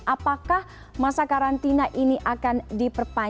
apakah masa karantina ini akan diperpanjang